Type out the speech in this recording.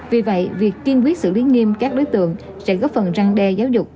vì vậy việc kiên quyết xử lý nghiêm các đối tượng sẽ góp phần răng đe giáo dục